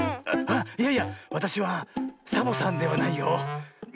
いやいやわたしはサボさんではないよ。